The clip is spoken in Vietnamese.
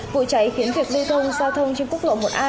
vụ cháy khiến việc lưu thông giao thông trên quốc lộ một a